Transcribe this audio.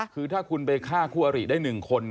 คือถ้าคุณไปฆ่าคู่อริได้๑คน